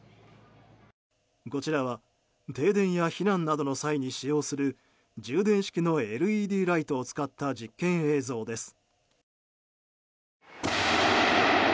こちらは停電や避難などの際に使用する充電式のＬＥＤライトを使った実験映像です。